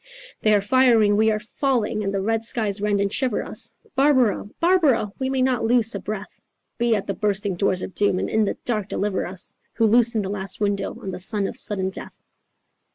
'" They are firing, we are falling, and the red skies rend and shiver us, Barbara, Barbara, we may not loose a breath— Be at the bursting doors of doom, and in the dark deliver us, Who loosen the last window on the sun of sudden death.